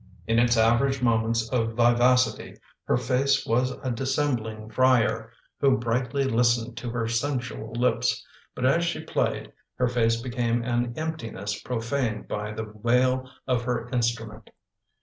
In its average moments of vivacity her face was a dissembling friar who brightly listened to her sensual lips, but as she played, her face became an emptiness profaned by the wail of her instrument.